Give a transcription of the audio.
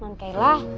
makanya kumpul lagi